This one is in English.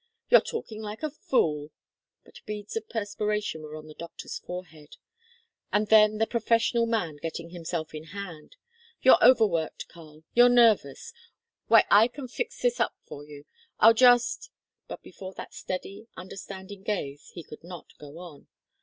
"You're talking like a fool!" but beads of perspiration were on the doctor's forehead. And then, the professional man getting himself in hand: "You're overworked, Karl. You're nervous. Why I can fix this up for you. I'll just " but before that steady, understanding gaze he could not go on.